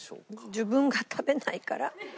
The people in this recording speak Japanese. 自分が食べないから。